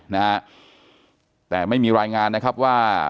นะฮะแต่ไม่มีรายงานนะครับว่า